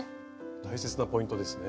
大切なポイントですね。